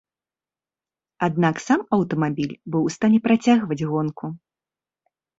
Аднак сам аўтамабіль быў у стане працягваць гонку.